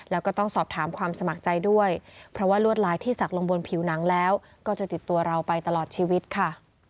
แล้วก็ต้องสอบถามความสมัครใจด้วยเพราะว่าลวดลายที่ศักดิ์ลงบนผิวหนังแล้วก็จะติดตัวเราไปตลอดชีวิตค่ะ